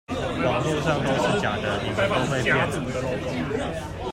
網路上都是假的，你們都被騙了